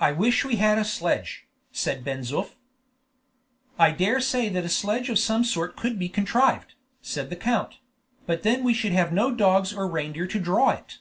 "I wish we had a sledge," said Ben Zoof. "I dare say that a sledge of some sort could be contrived," said the count; "but then we should have no dogs or reindeers to draw it."